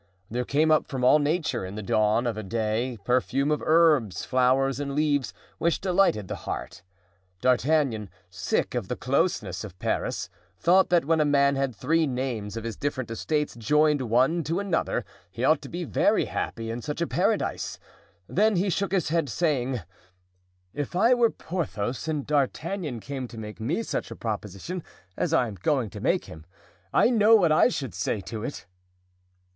There came up from all nature in the dawn of day a perfume of herbs, flowers and leaves, which delighted the heart. D'Artagnan, sick of the closeness of Paris, thought that when a man had three names of his different estates joined one to another, he ought to be very happy in such a paradise; then he shook his head, saying, "If I were Porthos and D'Artagnan came to make me such a proposition as I am going to make to him, I know what I should say to it."